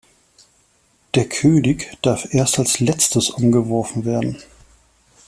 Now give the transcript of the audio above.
Der König darf erst als Letztes umgeworfen werden.